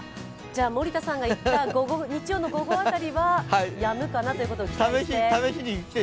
森田さんが行った日曜の午後辺りはやむかなということを期待して。